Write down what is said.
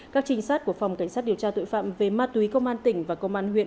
các trinh sát của phòng cảnh sát điều tra tội phạm về ma túy công an tỉnh và công an huyện